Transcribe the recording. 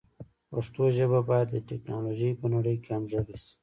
پښتو ژبه باید د ټکنالوژۍ په نړۍ کې همغږي شي.